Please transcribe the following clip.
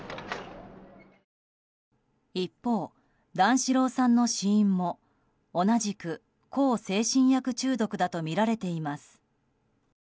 一方、段四郎さんの死因も同じく向精神薬中毒だとみられています。